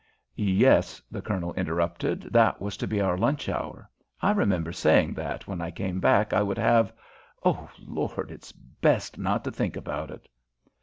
"Yes," the Colonel interrupted, "that was to be our lunch hour. I remember saying that when I came back I would have Oh, Lord, it's best not to think about it!"